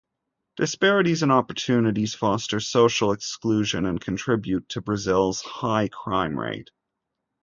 Disparities in opportunities foster social exclusion and contribute to Brazil's high crime rate.